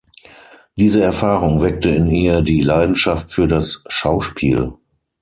Diese Erfahrung weckte in ihr die Leidenschaft für das Schauspiel.